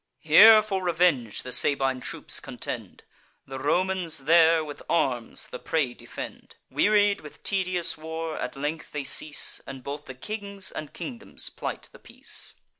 Here for revenge the Sabine troops contend; The Romans there with arms the prey defend. Wearied with tedious war, at length they cease; And both the kings and kingdoms plight the peace.